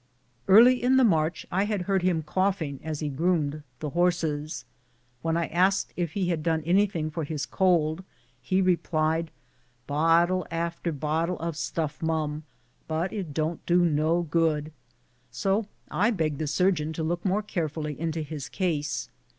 Early in the march I had heard him coughing as he groomed the horses. When I asked if he had done any thing for his cold, he replied, " Bottle after bottle of stuff, mum, but it don't do no good," so I begged the surgeon to look more carefully into his case.